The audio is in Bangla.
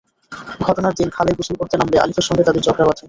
ঘটনার দিন খালে গোসল করতে নামলে আলিফের সঙ্গে তাদের ঝগড়া বাধে।